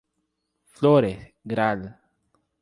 Flores, Gral.